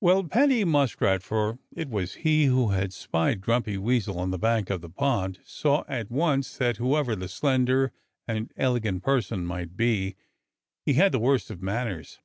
Well, Paddy Muskrat for it was he who had spied Grumpy Weasel on the bank of the pond saw at once that whoever the slender and elegant person might be, he had the worst of manners.